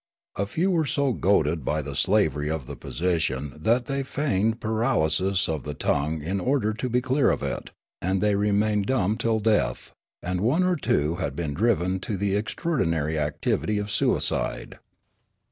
A few were so goaded b} the slavery of the position that they feigned paralysis of the tongue in order to be clear of it, and they remained dumb till death ; and one or two had been driven to the extra ordinary activitj'^ of suicide.